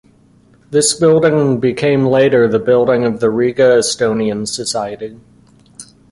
This building became later the building of the Riga Estonian Society.